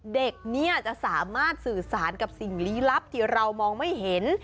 เด็กเนี่ยจะสามารถสื่อสารกับสิ่งลี้ลับที่เรามองไม่เห็น